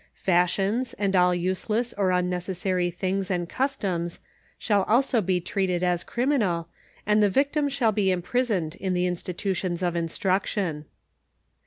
Fash ions and all useless or unnecessary things and customs shall also be treated as criminal, and the victim shall be imprisoned in the institutions of instruction.